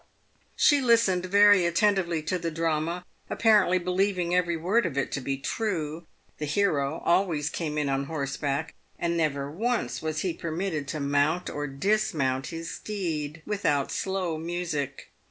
She listened very attentively to the drama, apparently believing every word of it to be true. The hero always came in on horseback, and never once was he permitted to mount or dismount his steed without slow music.